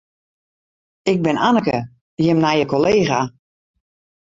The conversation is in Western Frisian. Ik bin Anneke, jim nije kollega.